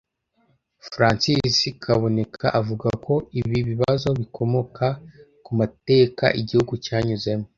Francis Kaboneka avuga ko ibi bibazo bikomoka ku mateka igihugu cyanyuzemo